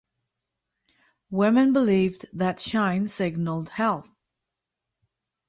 Women believed that shine signaled health.